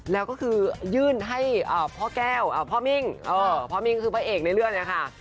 แล้วก็คือยื่นให้พ่อแก้วพ่อมิ้งพ่อมิ้งคือพระเอกในเลือดเนี่ยค่ะ